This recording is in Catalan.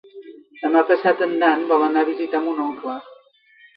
Demà passat en Dan vol anar a visitar mon oncle.